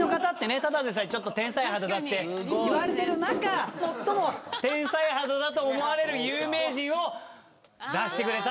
ただでさえちょっと天才肌だっていわれてる中最も天才肌だと思われる有名人を出してくれた。